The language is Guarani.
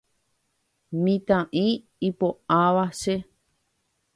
Mitã'i ipo'áva che